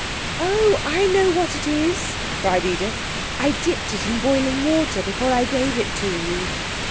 'Oh, I know what it is,' cried Edith. 'I dipped it in boiling water before I gave it to you.'